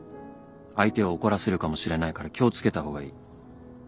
相手を怒らせるかもしれないから気を付けた方がいい。